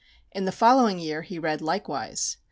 In the following year he read likewise.